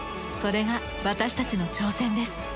それが私たちの挑戦です。